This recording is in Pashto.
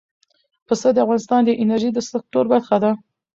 پسه د افغانستان د انرژۍ د سکتور برخه ده.